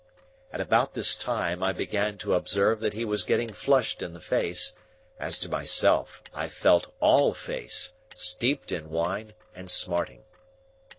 At about this time, I began to observe that he was getting flushed in the face; as to myself, I felt all face, steeped in wine and smarting.